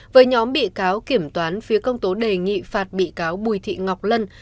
với nhóm bị cáo kiểm toán phía công tố đề nghị phạt bị cáo bùi thị ngọc lân